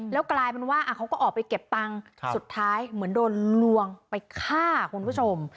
แล้วกลายเป็นว่าเขาก็ออกไปเก็บตังค์สุดท้ายเหมือนโดนลวงไปฆ่าคุณผู้ชม